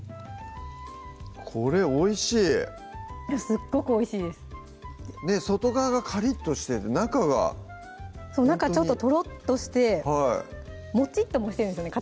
これおいしいすっごくおいしいです外側がカリッとしてて中がそう中ちょっとトロッとしてモチッともしてるんですよね